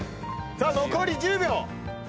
さあ残り１０秒！